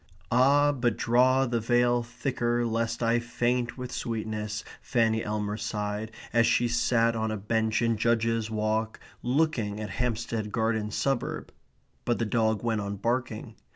Ah, but draw the veil thicker lest I faint with sweetness, Fanny Elmer sighed, as she sat on a bench in Judges Walk looking at Hampstead Garden Suburb. But the dog went on barking.